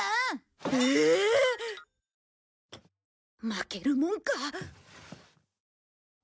負けるもんか。